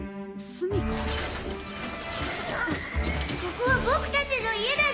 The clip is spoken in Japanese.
・ここは僕たちの家だぞ！